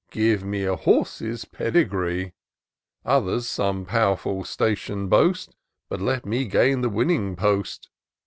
Give me a horse's pedigree. Others some pow'rful station boast ; But let me gain the winning post.